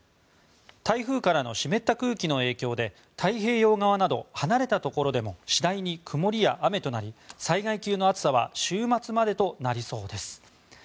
台風からの湿った空気の影響で太平洋側など離れたところでも次第に曇りや雨となり災害級の暑さは週末までとなりそうです。